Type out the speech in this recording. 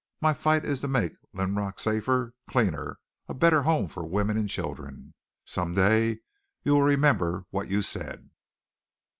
My fight is to make Linrock safer, cleaner, a better home for women and children. Some day you will remember what you said."